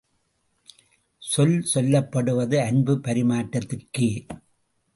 சொல் சொல்லப்படுவது அன்புப் பரிமாற்றத்திற்கே!